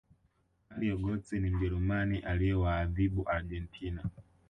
mario gotze ni mjerumani aliyewaathibu argentina